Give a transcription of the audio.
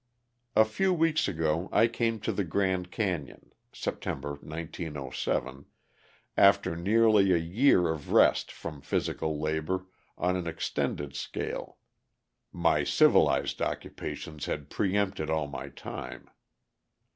A few weeks ago I came to the Grand Canyon (September, 1907), after nearly a year of rest from physical labor on an extended scale (my civilized occupations had pre empted all my time).